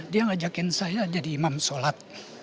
dia ngajakin saya jadi imam sholat